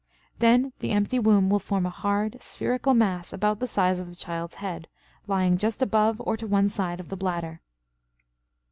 Then the empty womb will form a hard, spherical mass about the size of the child's head, lying just above or to one side of the bladder.